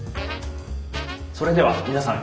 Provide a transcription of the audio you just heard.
それでは皆さん